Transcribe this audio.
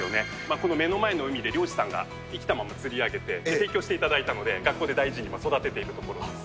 この目の前の海で漁師さんが生きたまま釣り上げて提供していただいたので、学校で大事に育てているところです。